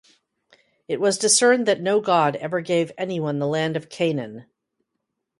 It was discerned that no God ever gave anyone the land of Canaan.